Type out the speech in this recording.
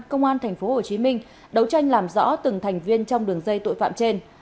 công an tp hcm đấu tranh làm rõ từng thành viên trong đường dây tội phạm trên